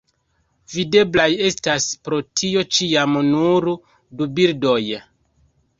Videblaj estas pro tio ĉiam nur du bildoj.